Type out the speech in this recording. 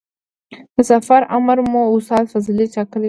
د سفر امر مو استاد فضلي ټاکلی و.